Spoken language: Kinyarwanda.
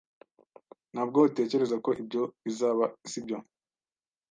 Ntabwo utekereza ko ibyo bizaba, sibyo?